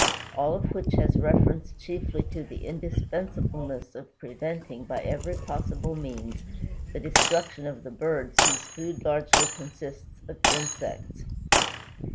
All of which has reference chiefly to the indispensableness of preventing by every possible means the destruction of the birds whose food largely consists of insects.